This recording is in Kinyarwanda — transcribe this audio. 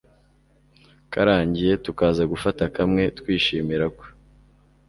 karangiye tukaza gufata kamwe twishimira ko